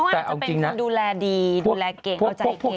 คือเขาอาจจะเป็นคนดูแลดีดูแลเก่งเขาใจเก่ง